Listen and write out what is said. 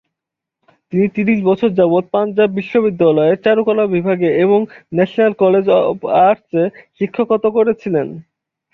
তিনি ত্রিশ বছর যাবত পাঞ্জাব বিশ্ববিদ্যালয়ের চারুকলা বিভাগে এবং ন্যাশনাল কলেজ অফ আর্টসে শিক্ষকতা করেছিলেন।